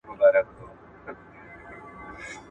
تجاران باید د خلکو له مجبوریته ناوړه ګټه پورته نه کړي.